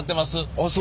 あっそう。